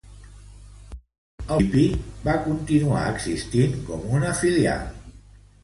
Al principi Sevillana va continuar existint com una filial.